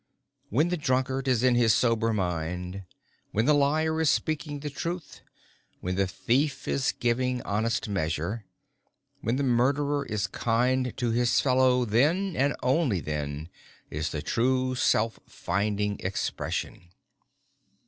When the drunkard is in his sober mind, when the liar is speaking the truth, when the thief is giving honest measure, when the murderer is kind to his fellow, then, and only then, is the true Self finding expression."